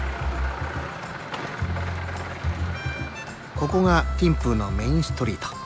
ここがティンプーのメインストリート。